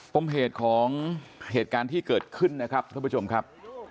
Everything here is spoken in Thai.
ปมเหตุของเหตุการณ์ที่เกิดขึ้นนะครับท่านผู้ชมครับ